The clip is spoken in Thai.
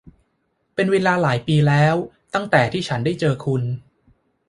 เป็นเวลาหลายปีแล้วตั้งแต่ที่ฉันได้เจอคุณ !